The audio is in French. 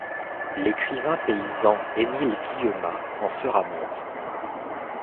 L'écrivain paysan Émile Guillaumin en sera membre.